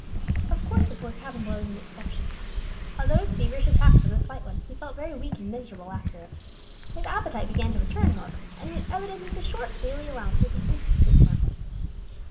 Of course the poor cabin boy was an exception. Although his feverish attack was a slight one he felt very weak and miserable after it. His appetite began to return, however, and it was evident that the short daily allowance would be insufficient for him.